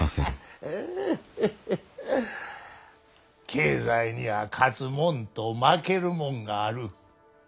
経済には勝つもんと負けるもんがある。